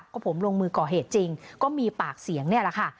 ก็ผมลงมือก่อเหตุจริงก็มีปากเสียงนี่แหละค่ะ